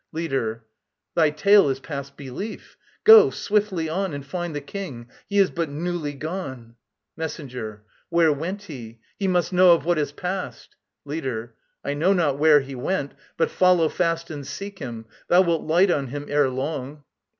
LEADER. Thy tale is past belief. Go, swiftly on, And find the King. He is but newly gone. MESSENGER. Where went he? He must know of what has passed! LEADER. I know not where he went. But follow fast And seek him. Thou wilt light on him ere long.